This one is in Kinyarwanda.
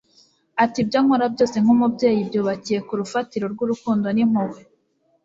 ati ibyo nkora byose nk'umubyeyi byubakiye ku rufatiro rw'urukundo n'impuhwe